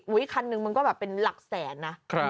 อุ้ยคันหนึ่งมันก็แบบเป็นหลักแสน